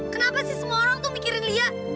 kenapa sih semua orang tuh mikirin lia